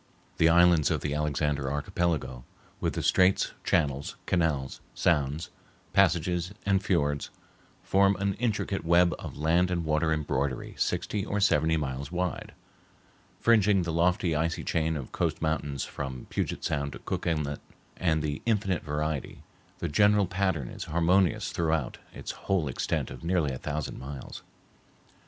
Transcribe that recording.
The islands of the Alexander Archipelago, with the straits, channels, canals, sounds, passages, and fiords, form an intricate web of land and water embroidery sixty or seventy miles wide, fringing the lofty icy chain of coast mountains from Puget Sound to Cook Inlet; and, with infinite variety, the general pattern is harmonious throughout its whole extent of nearly a thousand miles.